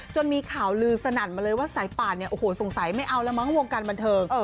มีข่าวลือสนั่นมาเลยว่าสายป่านเนี่ยโอ้โหสงสัยไม่เอาแล้วมั้งวงการบันเทิง